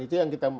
itu yang kita